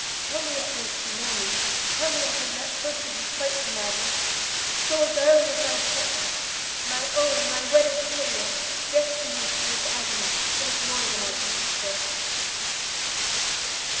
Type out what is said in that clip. tell me at least you know me! tell me I have not tortured you quite to madness! sole darling of my affections! my own, my wedded Cecilia! rescue me from this agony! it is more than I can support!"